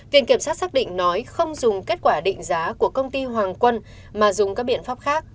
viện kiểm sát xác định nói không dùng kết quả định giá của công ty hoàng quân mà dùng các biện pháp khác